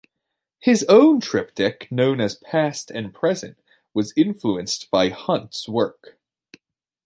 His own triptych, known as "Past and Present", was influenced by Hunt's work.